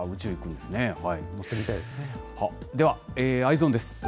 では、Ｅｙｅｓｏｎです。